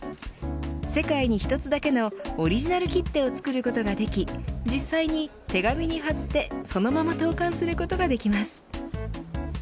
世界に一つだけのオリジナル切手を作ることができ実際に手紙に貼ってそのまま投函することができます。